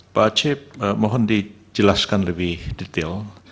pak acep mohon dijelaskan lebih detail